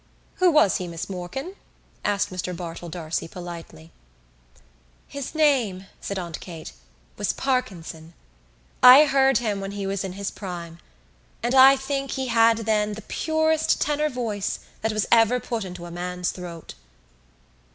"Who was he, Miss Morkan?" asked Mr Bartell D'Arcy politely. "His name," said Aunt Kate, "was Parkinson. I heard him when he was in his prime and I think he had then the purest tenor voice that was ever put into a man's throat."